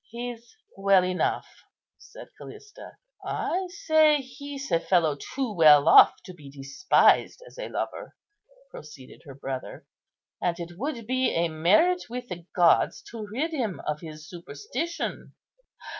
"He's well enough," said Callista. "I say he's a fellow too well off to be despised as a lover," proceeded her brother, "and it would be a merit with the gods to rid him of his superstition."